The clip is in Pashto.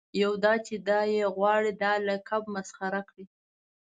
یو دا چې دای غواړي دا لقب مسخره کړي.